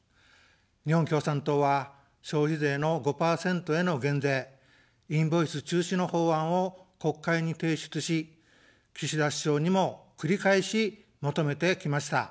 日本共産党は消費税の５％への減税、インボイス中止の法案を国会に提出し、岸田首相にも繰り返し求めてきました。